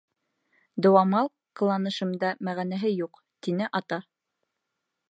— Дыуамал ҡыланышында мәғәнә юҡ, — тине Ата.